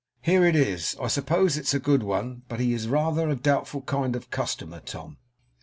Here it is. I suppose it's a good one, but he is rather a doubtful kind of customer, Tom.